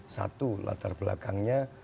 satu latar belakangnya